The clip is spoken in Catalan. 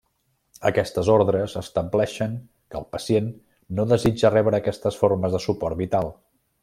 Aquestes ordres estableixen que el pacient no desitja rebre aquestes formes de suport vital.